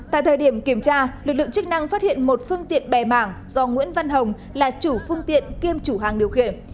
tại thời điểm kiểm tra lực lượng chức năng phát hiện một phương tiện bè mảng do nguyễn văn hồng là chủ phương tiện kiêm chủ hàng điều khiển